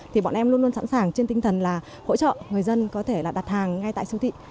thì bọn em luôn luôn sẵn sàng trên tinh thần là hỗ trợ người dân có thể là đặt hàng ngay tại siêu thị